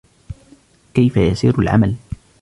كيف يسير العمل؟